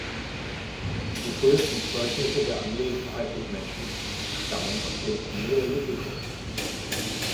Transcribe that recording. Die frühesten Zeugnisse der Anwesenheit des Menschen stammen aus dem Neolithikum.